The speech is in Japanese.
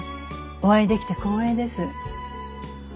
お会いできて光栄です。